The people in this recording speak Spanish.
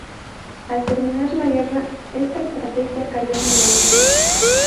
Al terminar la guerra, esta estrategia cayó en el olvido.